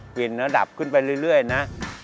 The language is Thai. เปลี่ยนแล้วดับขึ้นไปเรื่อยนะ